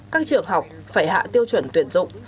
các trường học phải hạ tiêu chuẩn tuyển dụng